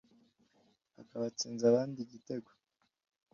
akaba atsinze abandi igitego,